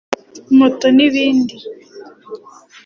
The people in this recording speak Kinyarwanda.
moto n’ibindi